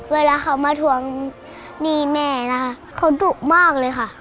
เวลาเขามาทวงหนี้แม่นะคะเขาดุมากเลยค่ะ